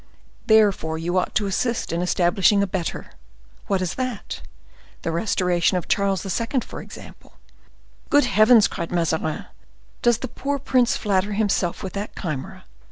"Therefore you ought to assist in establishing a better." "What is that?" "The restoration of Charles II., for example." "Good heavens!" cried Mazarin, "does the poor prince flatter himself with that chimera?"